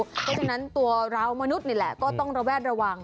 เพราะฉะนั้นตัวราวมนุษย์นี่แหละก็ต้องระแวดระวัง